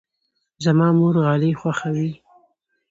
زما مور غالۍ خوښوي.